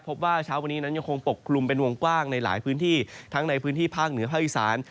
พบว่าเช้าวันนี้นั้นยังคงปกกลุ่มเป็นวงกว้างในหลายพื้นที่ทั้งในพื้นที่ภาคเหนือภาคอีสาน